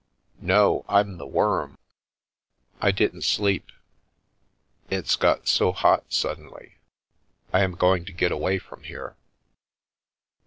" No, I'm the worm. I didn't sleep. It's got so hot suddenly. I am going to get away from here."